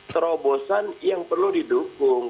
terobosan yang perlu didukung